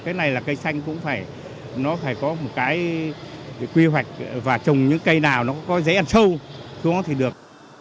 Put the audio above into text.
cái này là cây xanh cũng phải nó phải có một cái quy hoạch và trồng những cây nào nó có dễ ăn sâu chỗ thì được